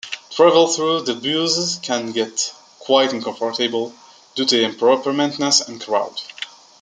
Travel through the buses can get quite uncomfortable due to improper maintenance and crowds.